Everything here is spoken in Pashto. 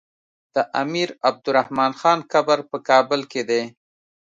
د امير عبدالرحمن خان قبر په کابل کی دی